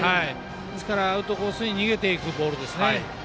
アウトコースに逃げていくボールですね。